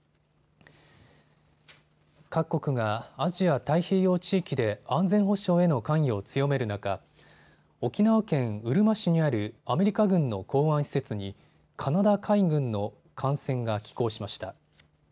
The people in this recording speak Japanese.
各国がアジア太平洋地域で安全保障への関与を強める中、沖縄県うるま市にあるアメリカ軍の港湾施設にカナダ海軍の艦船が寄港しました。